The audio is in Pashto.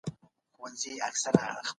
کمپيوټر کثافات تنظيموي.